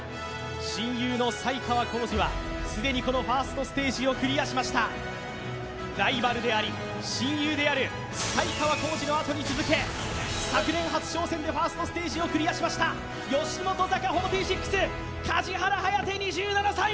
親友の才川コージは既にこのファーストステージをクリアしましたライバルであり親友である才川コージのあとに続け昨年初挑戦でファーストステージをクリアしました吉本坂４６梶原颯２７歳！